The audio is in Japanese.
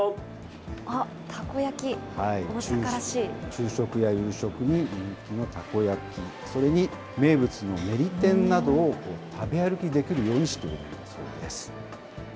昼食や夕食に人気のたこ焼き、それに名物のねり天などを食べ歩きできるようにしているんだそうです。